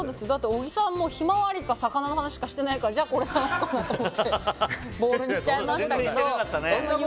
小木さん、ヒマワリか魚の話しかしてないからじゃあ、これだなと思ってボールにしちゃいましたけど。